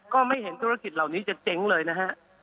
ก็ไม่เห็นธุรกิจเหล่านี้จะเจ๊งเลยนะฮะ